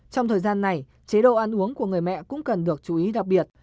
trong thời gian này chế độ ăn uống của người mẹ cũng cần được chú ý đặc biệt